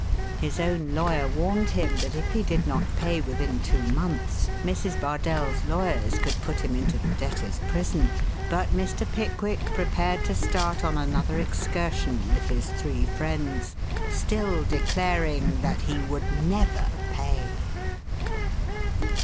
His own lawyer warned him that if he did not pay within two months, Mrs. Bardell's lawyers could put him into the debtors' prison, but Mr. Pickwick prepared to start on another excursion with his three friends, still declaring that he would never pay.